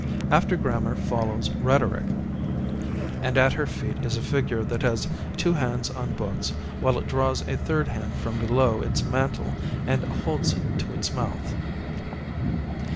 After Grammar follows Rhetoric, and at her feet is a figure that has two hands on books, while it draws a third hand from below its mantle and holds it to its mouth.